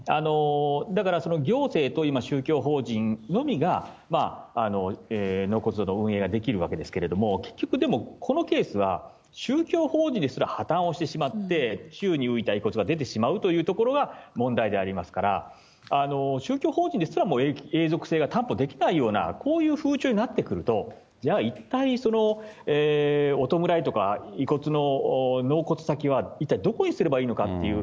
だから行政と今、宗教法人のみが納骨堂の運営ができるわけなんですけれども、結局、でも、このケースは、宗教法人ですら破綻をしてしまって、宙に浮いた遺骨が出てしまうということが問題でありますから、宗教法人ですら、もう永続性が担保できないような、こういう風潮になってくると、じゃあ一体そのお弔いとか、遺骨の納骨先は、一体どこにすればいいのかっていう。